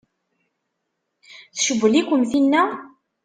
Tcewwel-ikem tinna?